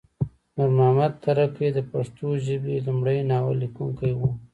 نور محمد ترکی د پښتو ژبې لمړی ناول لیکونکی وه